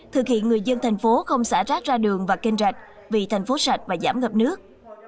thực hiện người dân thành phố không xả rác ra đường và kênh rạch vì thành phố sạch và giảm ngập nước